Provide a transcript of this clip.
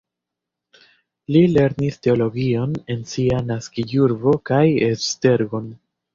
Li lernis teologion en sia naskiĝurbo kaj Esztergom.